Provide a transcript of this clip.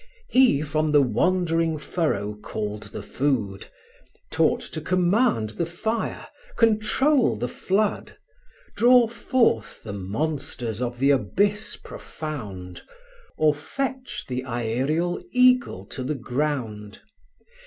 He from the wondering furrow called the food, Taught to command the fire, control the flood, Draw forth the monsters of the abyss profound, Or fetch the aërial eagle to the ground.